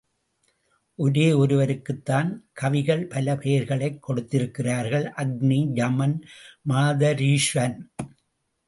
ஒரே ஒருவருக்குத் தான் கவிகள் பல பெயர்களைக் கொடுத்திருக்கிறர்கள் அக்னி, யமன், மதாரீஸ்வன்.